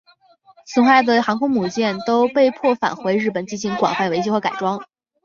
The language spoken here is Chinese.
损坏的航空母舰都被迫返回日本进行广泛维修和改装。